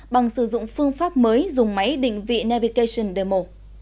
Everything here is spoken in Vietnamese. bằng sử dụng phương pháp mới dùng máy định vị navication demo